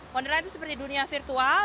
monyland itu seperti dunia virtual